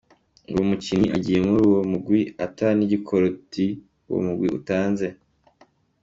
Uwo mukinyi agiye muri uwo mugwi ata n'igikoroti uwo mugwi utanze.